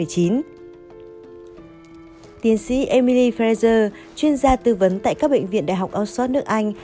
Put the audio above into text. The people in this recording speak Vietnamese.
tiến sĩ emily frezer chuyên gia tư vấn tại các bệnh viện đại học oxford nước anh